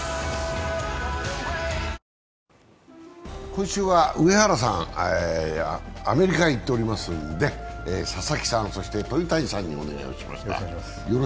今週は上原さん、アメリカに行っておりますので、佐々木さん、鳥谷さんにお願いをしました。